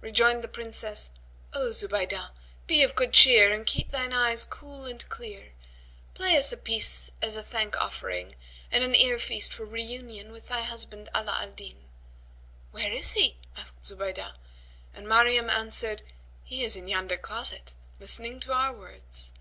Rejoined the Princess, "O Zubaydah, be of good cheer and keep thine eyes cool and clear; play us a piece as a thank offering and an ear feast for reunion with thy husband Ala al Din." "Where is he?" asked Zubaydah, and Maryam answered, "He is in yonder closet listening to our words."